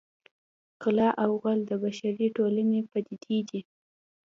غلا او غل د بشري ټولنې پدیدې دي